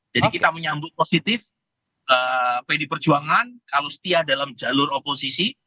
jadi kita menyambut positif pdi perjuangan kalau setia dalam jalur oposisi